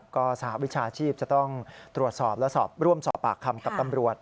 ก็สหวิชาชีพจะต้องตรวจสอบและร่วมสอบปากคำกับตำรวจ